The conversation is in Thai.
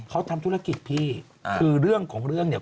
เขาทำธุรกิจพี่คือเรื่องของเรื่องเนี่ย